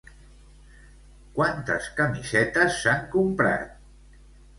Quantes camisetes s'han comprat?